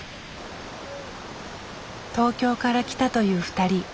東京から来たという２人。